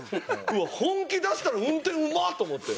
うわ本気出したら運転うまっ！と思って。